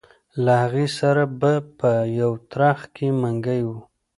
له هغې سره به په یو ترخ کې منګی و.